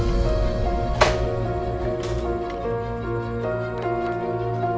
ibu minta mirah